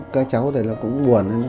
các cháu thì cũng buồn